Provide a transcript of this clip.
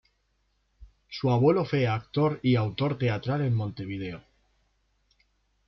Su abuelo fue actor y autor teatral en Montevideo.